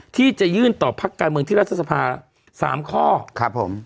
ที่จะยื่นต่อพักการเมืองที่รัฐสภา๓ข้อครับผม